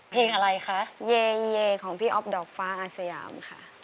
เพลงอะไรคะเยของพี่อ๊อฟดอกฟ้าอาสยามค่ะ